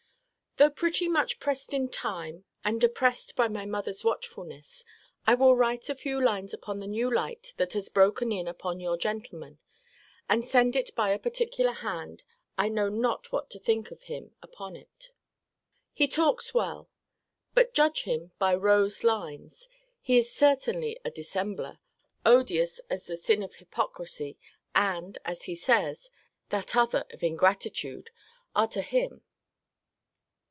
Though pretty much pressed in time, and oppressed by my mother's watchfulness, I will write a few lines upon the new light that has broken in upon your gentleman; and send it by a particular hand. I know not what to think of him upon it. He talks well; but judge him by Rowe's lines, he is certainly a dissembler, odious as the sin of hypocrisy, and, as he says, that other of ingratitude, are to him.